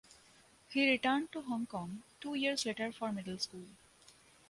He returned to Hong Kong two years later for middle school.